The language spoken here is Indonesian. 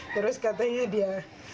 terus katanya dia